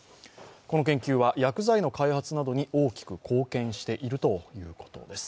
この研究は、薬剤の開発などに大きく貢献しているということです。